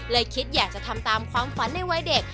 คิดอยากจะทำตามความฝันในวัยเด็ก